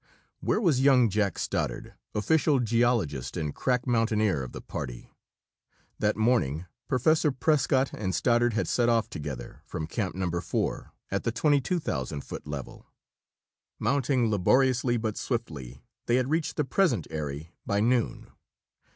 Where was young Jack Stoddard, official geologist and crack mountaineer of the party? That morning Professor Prescott and Stoddard had set off together, from Camp No. 4, at the 22,000 foot level. Mounting laboriously but swiftly, they had reached the present eyrie by noon.